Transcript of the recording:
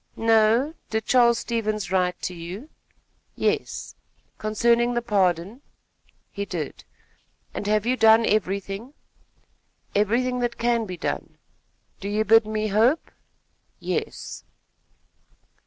"No. Did Charles Stevens write to you?" "Yes." "Concerning the pardon?" "He did." "And have you done everything?" "Everything that can be done." "Do you bid me hope?" "Yes."